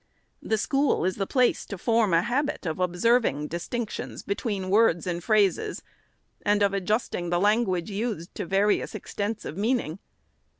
The school is the place to form a habit of observing dis tinctions between words and phrases, and of adjusting the language used to various extents of meaning.